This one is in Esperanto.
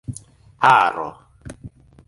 haro